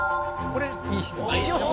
これいい質問です。